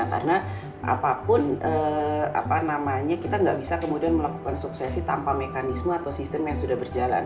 karena kita tidak bisa melakukan suksesi tanpa mekanisme atau sistem yang sudah berjalan